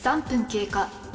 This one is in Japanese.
３分経過。